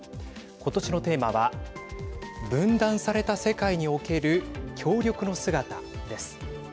今年のテーマは分断された世界における協力の姿です。